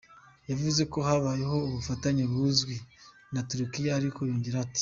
Yavuze ko habayeho ubufatanye bwiza na Turukiya, ariko yongeraho ati:.